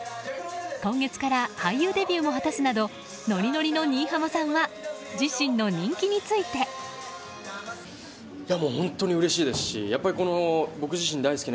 今月から俳優デビューも果たすなどノリノリの新浜さんは自身の人気については。